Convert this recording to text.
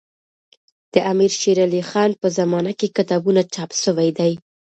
د امير شېر علي خان په زمانه کي کتابونه چاپ سوي دي.